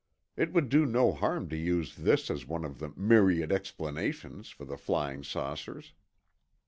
It would do no harm to use this as one of the "myriad explanations" for the flying saucers.